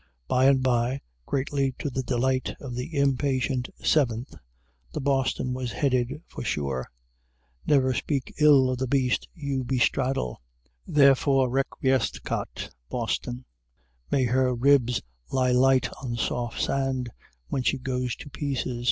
By and by, greatly to the delight of the impatient Seventh, the "Boston" was headed for shore. Never speak ill of the beast you bestraddle! Therefore requiescat "Boston"! may her ribs lie light on soft sand when she goes to pieces!